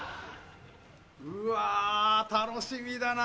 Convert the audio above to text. ・うわ楽しみだな！